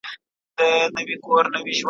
دوی خپل هېواد د مجبوري له امله پرېيښی دی.